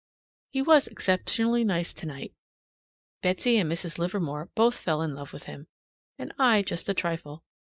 He was exceptionally nice tonight. Betsy and Mrs. Livermore both fell in love with him and I just a trifle.